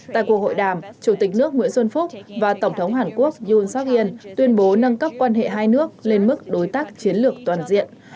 tại cuộc hội đàm chủ tịch nước nguyễn xuân phúc và tổng thống hàn quốc yun sak in tuyên bố nâng cấp quan hệ hai nước lên mức đối tác chiến lược toàn diện